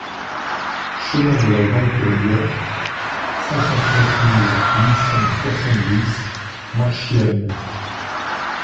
Chemin de la Grande Tourbière, cinquante-neuf mille huit cent soixante-dix Marchiennes